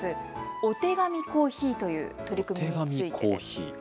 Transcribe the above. お手紙コーヒーという取り組みについてです。